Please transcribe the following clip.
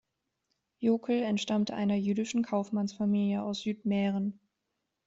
Jokl entstammte einer jüdischen Kaufmannsfamilie aus Südmähren.